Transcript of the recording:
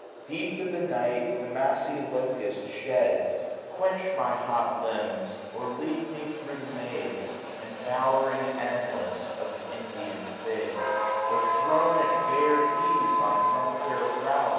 Deep in the night the massy locust sheds. SUMMER. 75 Quench my hot limbs; or lead me thro* the maze, 670 Embowering endless, of the Indian fig ; Or thrown at gayer ease, on some fair brow.